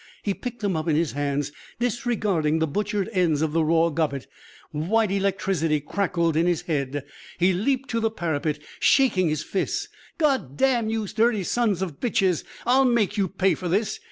He picked them up in his hands, disregarding the butchered ends of the raw gobbet. White electricity crackled in his head. He leaped to the parapet, shaking his fists. "God damn you dirty sons of bitches. I'll make you pay for this.